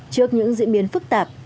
trước những diễn biến phức tạp